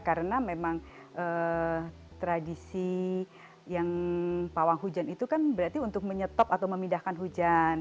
karena memang tradisi yang pawang hujan itu kan berarti untuk menyetop atau memindahkan hujan